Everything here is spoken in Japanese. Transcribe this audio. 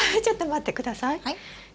ちょっと待って下さい。